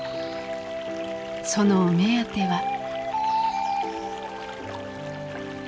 そのお目当ては。